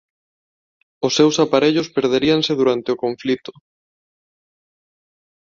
Os seus aparellos perderíanse durante o conflito.